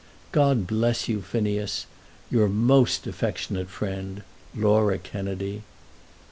God bless you, Phineas. Your most affectionate friend, LAURA KENNEDY.